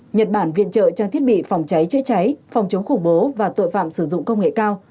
nhật bản viện trợ trang thiết bị phòng cháy chữa cháy phòng chống khủng bố và tội phạm sử dụng công nghệ cao